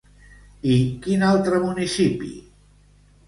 I quin altre municipi?